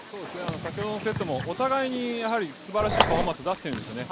先ほどのセットもお互いにすばらしいパフォーマンス出してるんですよね。